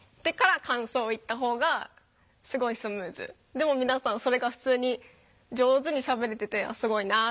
でも皆さんそれが普通に上手にしゃべれててすごいなっていう。